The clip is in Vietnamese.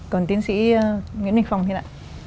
còn tiến sĩ nguyễn minh phong thì là